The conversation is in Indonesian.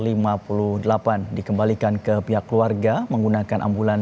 diduga disebabkan pengemudi yang kelelahan hingga mengakibatkan mikroslip